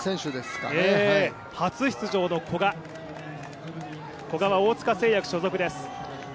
初出場の古賀、古賀は大塚製薬所属です。